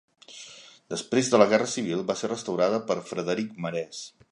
Després de la Guerra Civil va ser restaurada per Frederic Marès.